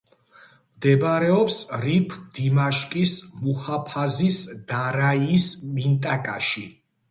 მდებარეობს რიფ-დიმაშკის მუჰაფაზის დარაიის მინტაკაში.